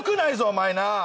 お前なぁ。